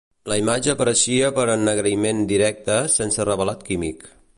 La imatge apareixia per ennegriment directe, sense revelat químic.